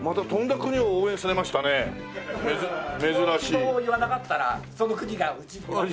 希望を言わなかったらその国がうちに割り当て。